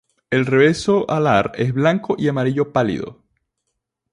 El reverso alar es blanco y amarillo pálido.